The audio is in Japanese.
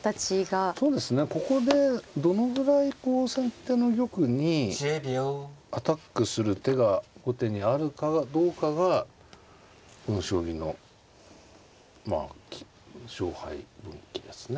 ここでどのぐらい先手の玉にアタックする手が後手にあるかどうかがこの将棋のまあ勝敗分岐ですね。